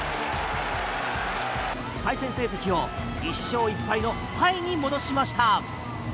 対戦成績を１勝１敗のタイに戻しました。